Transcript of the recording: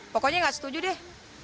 pokoknya tidak setuju deh